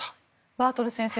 バートル先生